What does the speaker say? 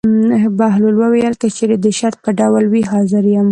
بهلول وویل: که چېرې د شرط په ډول وي حاضر یم.